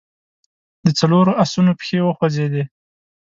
د څلورو آسونو پښې وخوځېدې.